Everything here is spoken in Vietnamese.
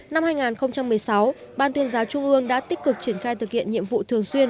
năm hai nghìn một mươi sáu ban tuyên giáo trung ương đã tích cực triển khai thực hiện nhiệm vụ thường xuyên